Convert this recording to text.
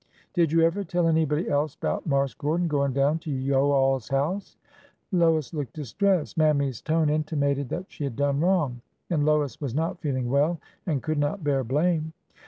Did you ever tell anybody else 'bout Marse Gordon goin' down to yo' all's house ?" Lois looked distressed. Mammy's tone intimated that she had done wrong, and Lois was not feeling well and could not bear blame.